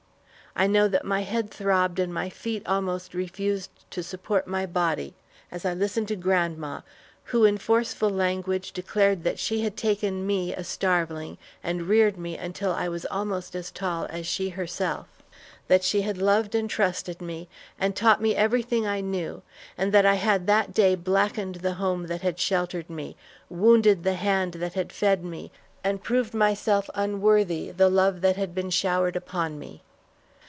I know that my head throbbed and my feet almost refused to support my body, as I listened to grandma, who in forceful language declared that she had taken me, a starveling, and reared me until I was almost as tall as she herself; that she had loved and trusted me, and taught me everything I knew, and that I had that day blackened the home that had sheltered me, wounded the hand that had fed me, and proved myself unworthy the love that had been showered upon me.